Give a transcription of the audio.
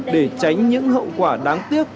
để tránh những hậu quả đáng tiếc